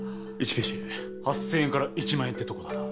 １ページ８，０００円から１万円ってとこだな。